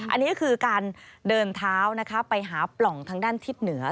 อันนี้ก็คือการเดินเท้าไปหาปล่องทางด้านทิศเหนือ